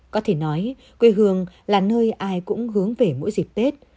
có thể nói quê hương là nơi ai cũng hướng về mỗi dịp tết